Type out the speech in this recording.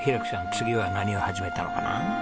次は何を始めたのかな？